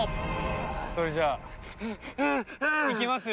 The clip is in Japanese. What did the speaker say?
それじゃいきますよ